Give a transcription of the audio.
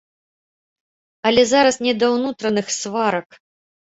Але зараз не да ўнутраных сварак.